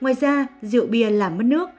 ngoài ra rượu bia làm mất nước